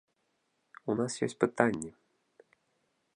У нас ёсць пытанні.